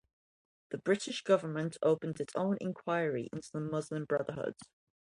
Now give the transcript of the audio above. The British government opened its own enquiry into the Muslim Brotherhood.